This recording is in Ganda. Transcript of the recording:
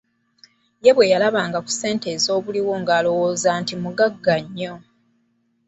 Ye bwe yalabanga ku ssente ez'obuliwo ng'alowooza nti mugagga nnyo.